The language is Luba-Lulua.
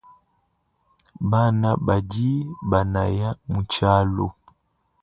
Bana badi banaya mu tshialu.